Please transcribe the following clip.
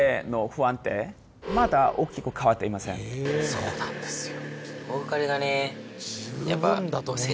そうなんですよ。